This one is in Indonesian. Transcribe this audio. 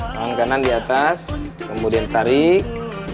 tangan kanan di atas kemudian tarik